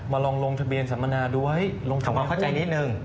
ลองลงทะเบียนสัมมนาด้วยลองทำความเข้าใจนิดนึง